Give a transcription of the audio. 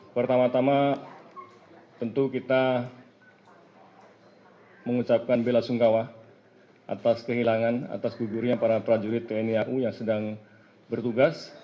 pertama tama tentu kita mengucapkan bela sungkawa atas kehilangan atas gugurnya para prajurit tni au yang sedang bertugas